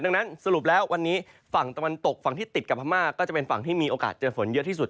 ดังนั้นสรุปแล้ววันนี้ฝั่งตะวันตกฝั่งที่ติดกับพม่าก็จะเป็นฝั่งที่มีโอกาสเจอฝนเยอะที่สุด